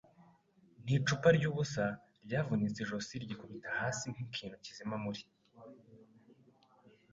n'icupa ryubusa, ryavunitse ijosi, ryikubita hasi nkikintu kizima muri